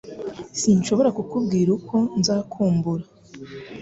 Sinshobora kukubwira uko nzakumbura